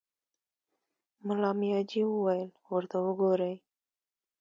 ملا مياجي وويل: ورته وګورئ!